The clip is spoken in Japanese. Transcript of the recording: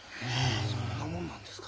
そんなもんなんですか？